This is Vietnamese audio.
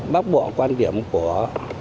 bác bỏ quan điểm của